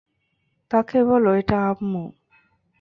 তাকে বলো এটা আম্মু।